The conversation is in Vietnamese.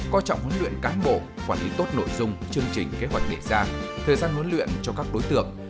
co trọng huấn luyện cán bộ quản lý tốt nội dung chương trình kế hoạch đệ gia thời gian huấn luyện cho các đối tượng